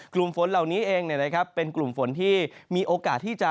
กลุ่มฝนเหล่านี้เองเป็นกลุ่มฝนที่มีโอกาสที่จะ